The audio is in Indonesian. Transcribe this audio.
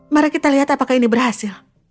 mari kita lihat apakah ini berhasil